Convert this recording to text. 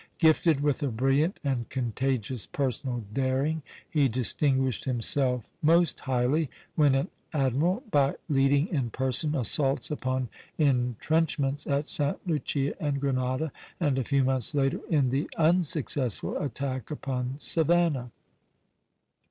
Gifted with a brilliant and contagious personal daring, he distinguished himself most highly, when an admiral, by leading in person assaults upon intrenchments at Sta. Lucia and Grenada, and a few months later in the unsuccessful attack upon Savannah.